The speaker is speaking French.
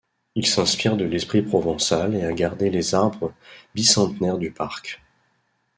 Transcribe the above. Il s'inspire de l'esprit provençal et a gardé les arbres bicentenaires du parc.